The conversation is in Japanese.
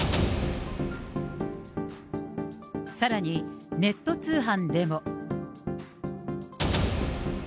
さらに、ネット通販でも。